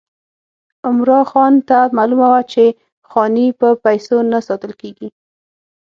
عمرا خان ته معلومه وه چې خاني په پیسو نه ساتل کېږي.